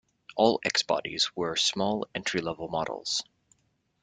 All X-bodies were small entry-level models.